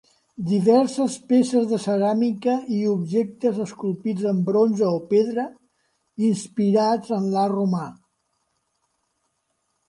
Diverses peces de ceràmica i objectes esculpits en bronze o pedra, inspirats en l'art romà.